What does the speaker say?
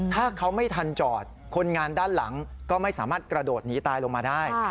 ถ้าเขาไม่ทันจอดคนงานด้านหลังก็ไม่สามารถกระโดดหนีตายลงมาได้